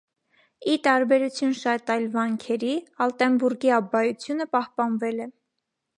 Ի տարբերություն շատ այլ վանքերի՝ Ալտենբուրգի աբբայությունը պահպանվել է։